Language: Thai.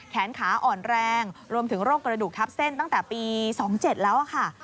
แขนขาอ่อนแรงรวมถึงโรคกระดูกทับเส้นตั้งแต่ปี๒๗แล้วค่ะ